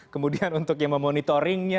kemudian untuk yang memonitoringnya